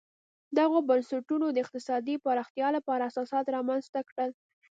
دغو بنسټونو د اقتصادي پراختیا لپاره اساسات رامنځته کړل.